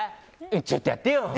ちょっと、やってよ。